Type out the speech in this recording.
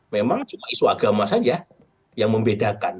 memang cuma isu agama saja yang membedakan